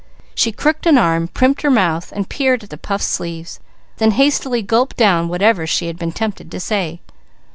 She crooked an arm, primped her mouth, and peered at the puffed sleeves, then hastily gulped down whatever she had been tempted to say.